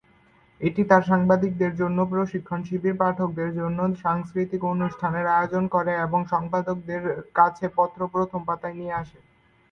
এটি তার সাংবাদিকদের জন্য প্রশিক্ষণ শিবির, পাঠকদের জন্য সাংস্কৃতিক অনুষ্ঠানের আয়োজন করে এবং সম্পাদকদের কাছে পত্র প্রথম পাতায় নিয়ে আসে।